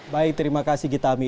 baik terima kasih gitami